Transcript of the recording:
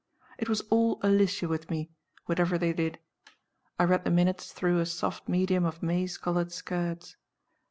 It was all Alicia with me, whatever they did. I read the Minutes through a soft medium of maize colored skirts.